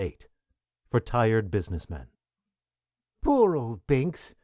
VIII FOR TIRED BUSINESS MEN "Poor old Binks!"